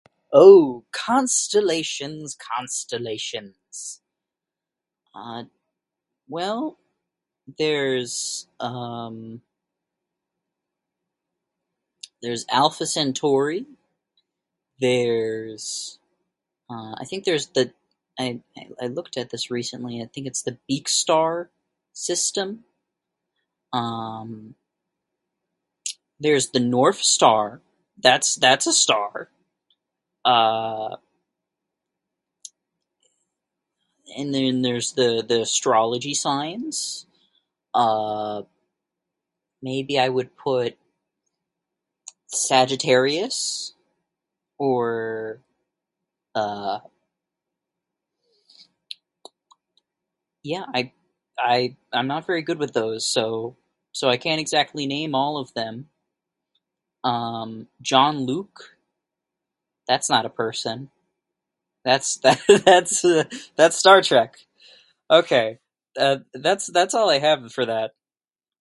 Oh, constellations, constellations. Uh, well, there's, um, there's Alpha Centauri. There's, uh I think there's the I I looked at this recently, I think it's the Beak Star system. Um, there's the North Star, that's that's a star. Uh, and then there's the the astrology signs, uh, maybe I would put Sagittarius or, uh, yeah I I I'm not very good with those so so I can't exactly name all of them. Um, John Luke, that's not a person. That's that's Star Trek. Ok. That's that's all I have for that.